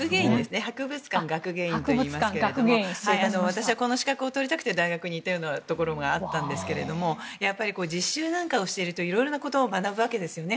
博物館学芸員といいますが私はこの資格を取りたくて大学に行ったようなところがあるんですが実習なんかをしていると色んなことを学ぶわけですよね。